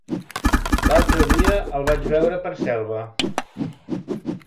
L'altre dia el vaig veure per Selva.